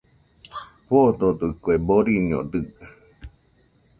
Foododɨkue, boriño dɨga